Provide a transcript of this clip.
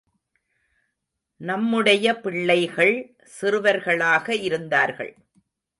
நம்முடைய பிள்ளைகள் சிறுவர்களாக இருந்தார்கள்.